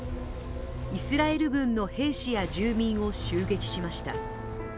イスラエル軍の兵士や住民を襲撃しました。